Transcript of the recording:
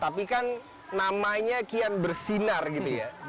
tapi kan namanya kian bersinar gitu ya